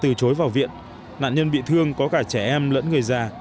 từ chối vào viện nạn nhân bị thương có cả trẻ em lẫn người già